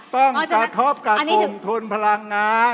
ต้องกระทบกับกลุ่มทุนพลังงาน